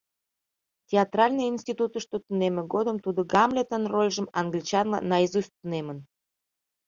Театральный институтышто тунемме годым тудо Гамлетын рольжым англичанла наизусть тунемын.